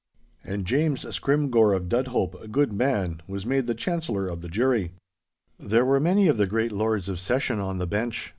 And James Scrymgeour of Dudhope, a good man, was made the chancellor of the jury. There were many of the great Lords of Session on the bench.